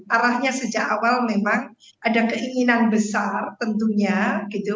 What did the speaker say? arahnya sejak awal memang ada keinginan besar tentunya gitu